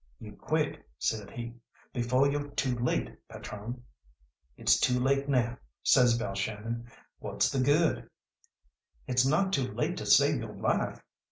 "You quit," said he, "befo' yo're too late, patrone." "It's too late now," says Balshannon; "what's the good?" "It's not too late to save yo' life.